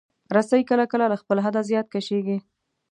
رسۍ کله کله له خپل حده زیات کشېږي.